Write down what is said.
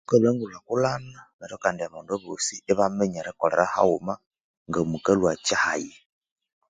Mukalhwa engulhakulhana neryo kand abandu aboosi ibaminya erikolera haghuma ngamukalhwa kyahayi